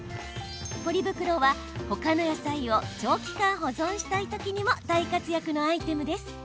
ポリ袋は、ほかの野菜を長期間保存したいときにも大活躍のアイテムです。